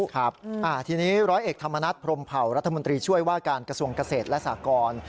ครับทีนี้ร้อยเอกธรรมนัฐพรมเผารัฐมนตรีช่วยว่าการกระทรวงเกษตรและสากร